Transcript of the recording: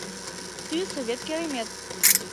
«Ты Совет Керемет